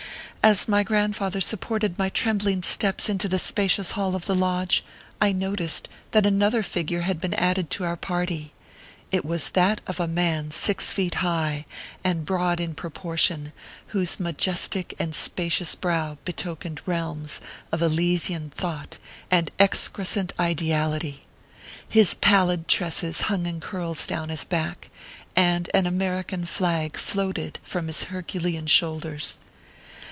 As my grandfather supported my trembling steps into the spacious hall of the lodge, I noticed that another figure had been added to our party. It was that of a man six feet high, and broad in proportion, whose majestic and spacious brow betokened realms of elysian thought and excrescent ideality. His pallid tresses hung in curls down his back, and an American flag floated from his Herculean shoulders.